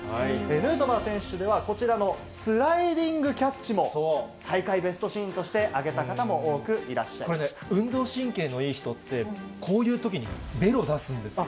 ヌートバー選手では、こちらのスライディングキャッチも、大会ベストシーンとして挙げこれね、運動神経のいい人っていう、こういうときにべろ出すんですよ。